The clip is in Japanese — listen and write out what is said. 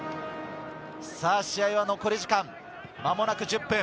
試合は残り時間、間もなく１０分。